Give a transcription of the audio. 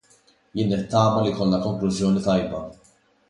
Jien nittama li jkollna konklużjoni tajba.